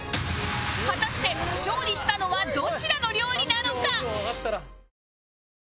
果たして勝利したのはどちらの料理なのか？